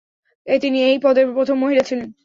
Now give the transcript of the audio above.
তিনি এই পদের প্রথম মহিলা ছিলেন।